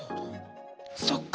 そっか。